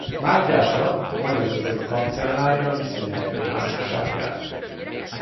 Mátyás alatt a Magyar Udvari Kancellária visszanyerte önállóságát.